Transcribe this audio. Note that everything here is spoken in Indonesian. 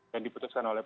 yang diputuskan oleh